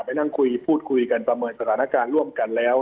ไปนั่งพูดคุยกันประเมิดสตาร์นาการร่วมกันแล้ว